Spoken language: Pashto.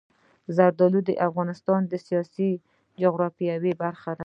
زردالو د افغانستان د سیاسي جغرافیه برخه ده.